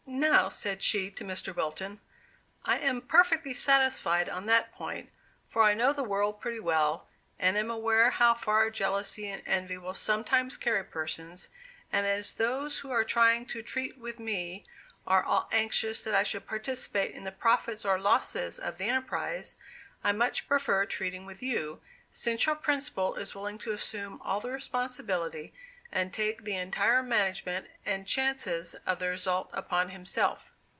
"Now," said she to Mr. Wilton, "I am perfectly satisfied on that point, for I know the world pretty well, and am aware how far jealousy and envy will sometimes carry persons; and as those who are trying to treat with me are all anxious that I should participate in the profits or losses of the enterprise, I much prefer treating with you, since your principal is willing to assume all the responsibility, and take the entire management and chances of the result upon himself."